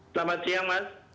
selamat siang mas